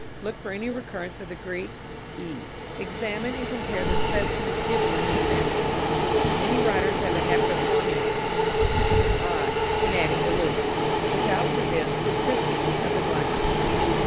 Look for any recurrence of the Greek ε. Examine and compare the specimens given in the examples. Many writers have a habit of forming an e as an i and adding the loop. Look out for this with assistance of the glass.